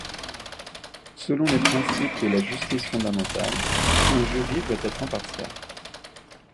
Selon les principes de la justice fondamentale, un jury doit être impartial.